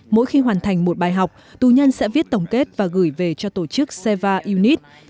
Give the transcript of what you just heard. mỗi khi hoàn thành một bài học tù nhân sẽ viết tổng kết và gửi về cho tổ chức seva unis